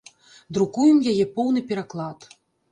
Друкуем яе поўны пераклад.